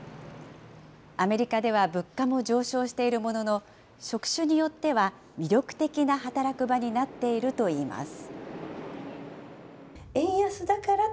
アメリカでは物価も上昇しているものの、職種によっては魅力的な働く場になっているといいます。